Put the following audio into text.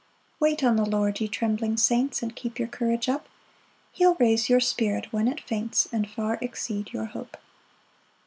5 Wait on the Lord, ye trembling saints, And keep your courage up; He'll raise your spirit when it faints, And far exceed your hope.